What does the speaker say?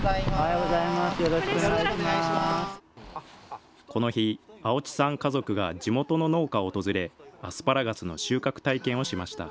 よろしこの日、青地さん家族が地元の農家を訪れ、アスパラガスの収穫体験をしました。